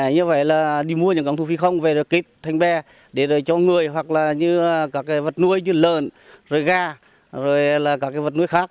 như vậy là đi mua những cái ống thùng phi không về rồi kịp thành bè để rồi cho người hoặc là như các cái vật nuôi như lợn rồi ga rồi là các cái vật nuôi khác